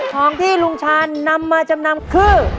ของที่ลุงชาญนำมาจำนำคือ